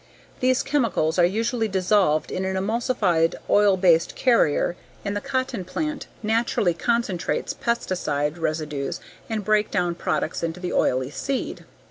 These chemicals are usually dissolved in an emulsified oil based carrier and the cotton plant naturally concentrates pesticide residues and breakdown products into the oily seed.